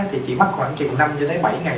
thì chỉ mắc khoảng chừng năm cho tới bảy ngày